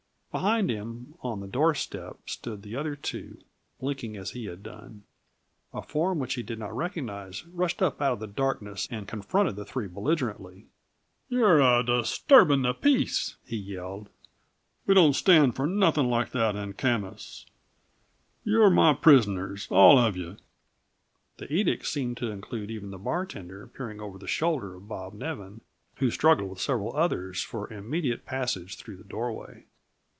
Behind him, on the door step, stood the other two, blinking as he had done. A form which he did not recognize rushed up out of the darkness and confronted the three belligerently. "You're a disturbin' the peace," he yelled. "We don't stand for nothing like that in Camas. You're my prisoners all uh yuh." The edict seemed to include even the bartender, peering over the shoulder of Bob Nevin, who struggled with several others for immediate passage through the doorway.